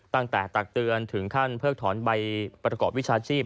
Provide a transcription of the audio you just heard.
ตักเตือนถึงขั้นเพิกถอนใบประกอบวิชาชีพ